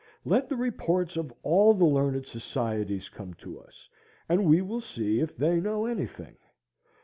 Let the reports of all the learned societies come to us, and we will see if they know any thing.